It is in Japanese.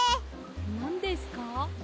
なんですか？